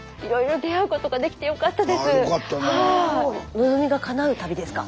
望みが叶う旅ですか？